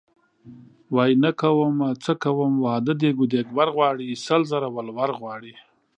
وايي نه کومه څه کوم واده دیګ او دیګبر غواړي سل زره ولور غواړي .